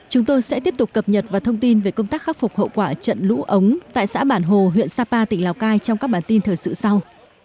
chúng tôi sẽ tiếp tục cập nhật và thông tin về công tác khắc phục hậu quả trận lũ ống tại xã bản hồ huyện sapa tỉnh lào cai trong các bản tin thời sự sau